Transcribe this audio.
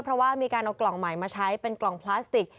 เพราะว่ามีการเอากล่องใหม่มาใช้เป็นกล่องพลาสติก